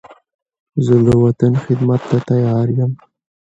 زه د وطن خدمت ته تیار یم.